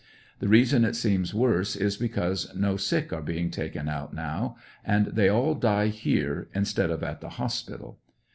The reason it seems worse, is because no sick are being taken out now, and they all die here instead of at the hospi tal.